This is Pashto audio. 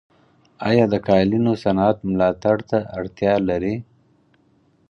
آیا د قالینو صنعت ملاتړ ته اړتیا لري؟